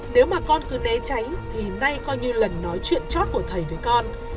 nếu mà con cứ né tránh thì nay coi như lần nói chuyện chót của thầy với con